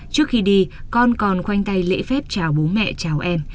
trước khi đi con còn quanh tay lễ phép chào bố mẹ chào em